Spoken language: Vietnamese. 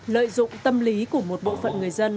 lợi dụng tâm lý của một bộ phận người dân